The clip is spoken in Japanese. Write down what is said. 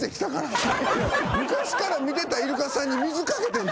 昔から見てたイルカさんに水掛けてんで。